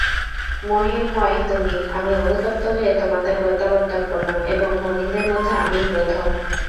মহিমময় তুমি, আমি অনুতপ্ত হয়ে তোমাতেই প্রত্যাবর্তন করলাম এবং মুমিনদের মধ্যে আমিই প্রথম।